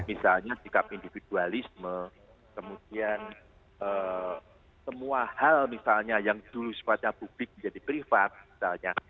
misalnya sikap individualisme kemudian semua hal misalnya yang dulu sempatnya publik menjadi privat misalnya